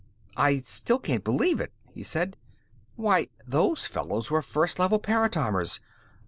"I still can't believe it," he said. "Why, those fellows were First Level paratimers.